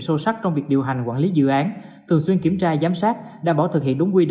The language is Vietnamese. sâu sắc trong việc điều hành quản lý dự án thường xuyên kiểm tra giám sát đảm bảo thực hiện đúng quy định